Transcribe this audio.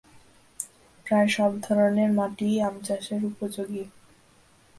প্রায় সব ধরনের মাটিই আম চাষের উপযোগী।